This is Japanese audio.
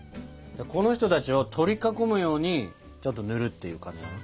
この人たちを取り囲むようにちょっとぬるっていう感じかな。